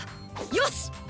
よし！